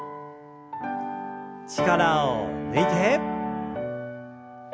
力を抜いて。